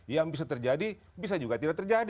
yang bisa terjadi bisa juga tidak terjadi